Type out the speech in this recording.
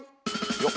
よっ。